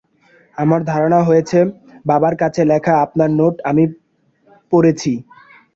আপনার ধারণা হয়েছে, বাবার কাছে লেখা আপনার নোট আমি পড়েছি।